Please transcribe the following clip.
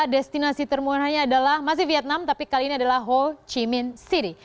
destinasi termurahnya adalah masih vietnam tapi kali ini adalah ho chi minh city